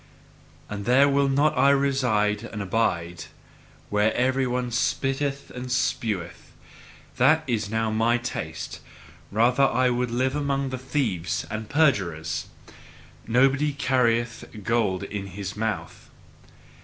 And there will I not reside and abide where every one spitteth and speweth: that is now MY taste, rather would I live amongst thieves and perjurers. Nobody carrieth gold in his mouth.